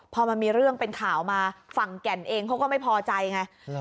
พอมันมีเรื่องเป็นข่าวมาฝั่งแก่นเองเขาก็ไม่พอใจไง